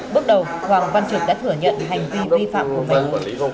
bước đầu hoàng văn trực đã thừa nhận hành vi vi phạm của mình